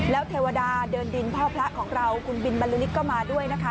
แล้วเทวดาเดินดินพ่อพระของเราคุณบินบรรลุนิสก็มาด้วยนะคะ